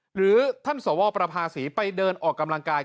หรือท่านสวประภาษีไปเดินออกกำลังกาย